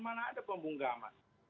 mana ada pembungkaman